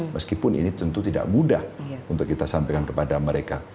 meskipun ini tentu tidak mudah untuk kita sampaikan kepada mereka